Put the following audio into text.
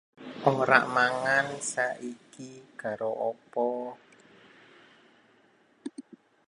Land from Pike County and Monroe County was then transferred to create Lamar county.